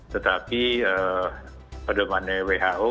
tetapi pada wakil who